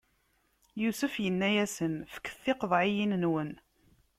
Yusef inna-yasen: Fket tiqeḍɛiyinnwen!